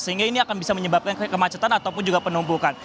sehingga ini akan bisa menyebabkan kemacetan ataupun juga penumpukan